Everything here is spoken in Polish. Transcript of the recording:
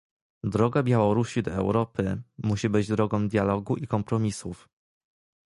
Droga Białorusi do Europy musi być drogą dialogu i kompromisów